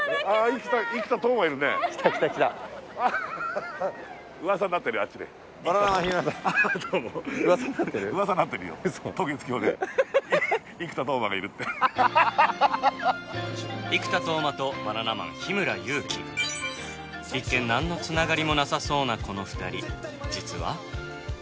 一見なんの繋がりもなさそうなこの２人実は。